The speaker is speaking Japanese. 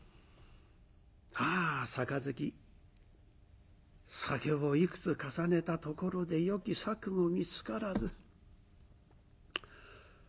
ああ杯酒をいくつ重ねたところでよき策も見つからず。